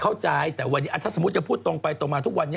เข้าใจแต่วันนี้ถ้าสมมุติจะพูดตรงไปตรงมาทุกวันนี้